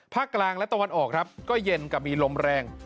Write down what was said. กลางและตะวันออกครับก็เย็นกับมีลมแรง